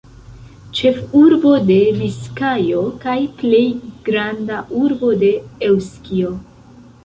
Ĉefurbo de Biskajo kaj plej granda urbo de Eŭskio.